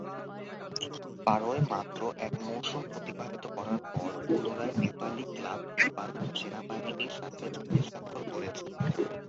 পারোয় মাত্র এক মৌসুম অতিবাহিত করার পর পুনরায় নেপালি ক্লাব নেপাল সেনাবাহিনীর সাথে চুক্তি স্বাক্ষর করেছেন।